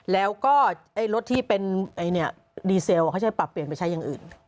แล้วก็รถที่เป็นดีเซลเขาจะปรับเปลี่ยนไปใช้อย่างอื่น